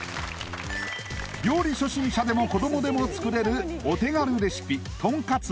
料理初心者でも子どもでも作れるお手軽レシピとんかつ